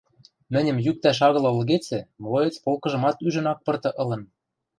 Мӹньӹм йӱктӓш агыл ылгецӹ, млоец полкыжымат ӱжӹн ак пырты ылын.